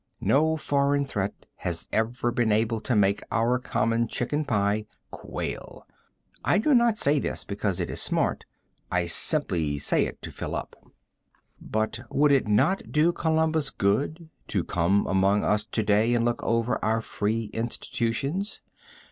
No foreign threat has ever been able to make our common chicken pie quail. I do not say this because it is smart; I simply say it to fill up. But would it not do Columbus good to come among us to day and look over our free institutions?